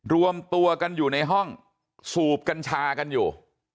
รวมตัวกันอยู่ในห้องสูบกัญชากันอยู่